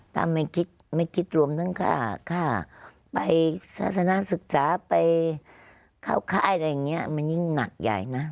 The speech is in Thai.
ถ้าไม่คิดไม่คิดรวมทั้งค่าไปศาสนาศึกษาไปเข้าค่ายอะไรอย่างนี้มันยิ่งหนักใหญ่นะ